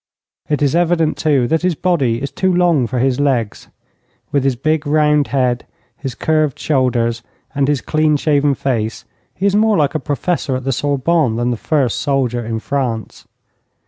It is evident, too, that his body is too long for his legs. With his big, round head, his curved shoulders, and his clean shaven face, he is more like a Professor at the Sorbonne than the first soldier in France.